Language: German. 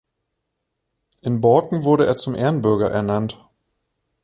In Borken wurde er zum Ehrenbürger ernannt.